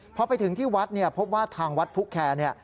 พอไปถึงที่วัดพบว่าทางวัดภุคแคร์